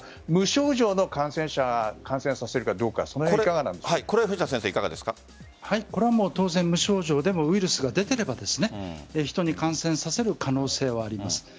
無症状の感染者感染させているかどうかこれは当然、無症状でもウイルスが出ていれば人に感染させる可能性はあります。